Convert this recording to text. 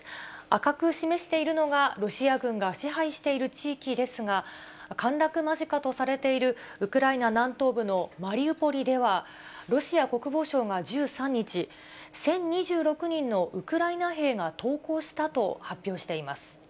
赤く示しているのが、ロシア軍が支配している地域ですが、陥落間近とされているウクライナ南東部のマリウポリでは、ロシア国防省が１３日、１０２６人のウクライナ兵が投降したと発表しています。